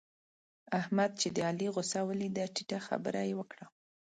احمد چې د علي غوسه وليده؛ ټيټه خبره يې وکړه.